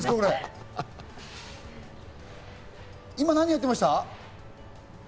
今何やってました？